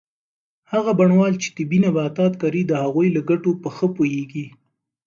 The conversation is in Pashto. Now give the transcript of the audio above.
هغه بڼوال چې طبي نباتات کري د هغوی له ګټو په ښه پوهیږي.